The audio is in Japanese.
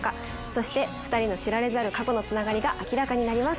そして２人の知られざる過去のつながりが明らかになります。